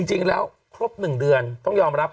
จริงแล้วครบ๑เดือนต้องยอมรับ